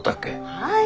はい。